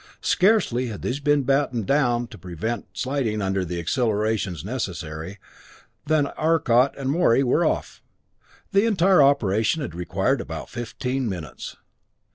Scarcely had these been battened down to prevent sliding under the accelerations necessary, than Arcot and Morey were off. The entire operation had required but fifteen minutes.